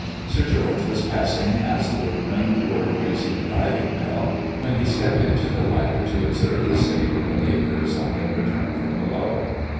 Sir George was passing as the workmen were raising the diving bell, when he stepped into the lighter to observe the state of the labourers on their return from below.